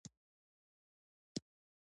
ملزوم ذکر سي او مراد ځني لازم يي.